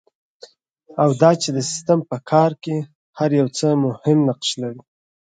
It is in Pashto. او دا چې د سیسټم په کار کې هر یو څه مهم نقش لري.